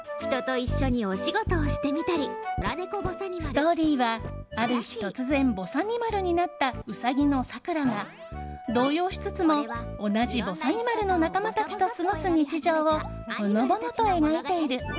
ストーリーは、ある日突然ぼさにまるになったウサギのさくらが動揺しつつも同じぼさにまるの仲間たちと過ごす日常をほのぼのと描いている。